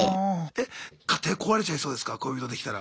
え家庭壊れちゃいそうですか恋人できたら。